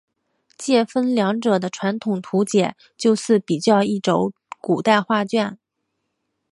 介分两者的传统图解就似比较一轴古代画卷。